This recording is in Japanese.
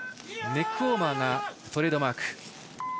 ネックウォーマーがトレードマーク。